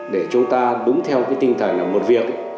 để chúng ta đúng theo cái tinh thần là một việc